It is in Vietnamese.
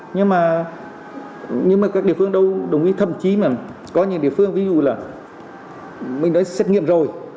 nhưng mà các địa phương đâu đồng ý thậm chí mà có những địa phương ví dụ là mình nói xét nghiệm rồi